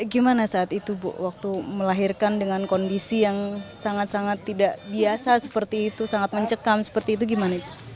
gimana saat itu bu waktu melahirkan dengan kondisi yang sangat sangat tidak biasa seperti itu sangat mencekam seperti itu gimana